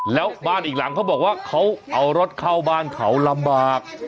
แล้วบ้านอีกหลังเขาบอกว่าเขาเอารถเข้าบ้านเขาลำบาก